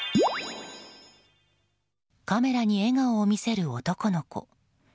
カメラに笑顔を見せる男の子。